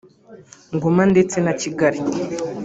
Ngoma ndetse na Kigali